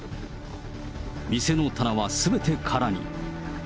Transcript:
店の棚はすべて空に。